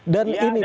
dan ini pak ustadz